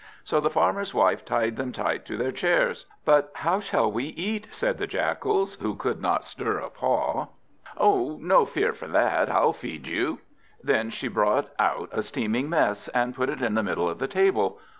So the Farmer's wife tied them tight to their chairs. "But how shall we eat?" said the Jackals, who could not stir a paw. "Oh, no fear for that, I'll feed you." Then she brought out a steaming mess, and put it in the middle of the table.